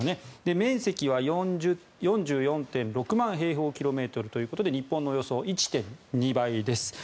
面積は４４．６万平方キロメートルということで日本のおよそ１．２倍です。